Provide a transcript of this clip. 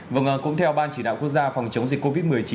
vâng cũng theo ban chỉ đạo quốc gia phòng chống dịch covid một mươi chín